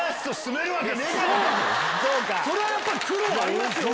それはやっぱり苦労はありま